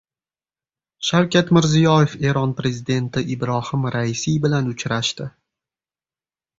Shavkat Mirziyoyev Eron Prezidenti Ibrohim Raisiy bilan uchrashdi